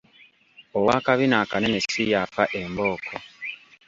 Ow'akabina akanene si y'afa embooko.